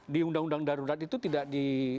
di undang undang darurat itu tidak di